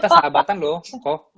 kita sahabatan loh kok